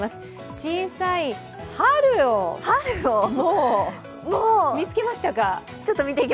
小さい春をもう見つけましたか？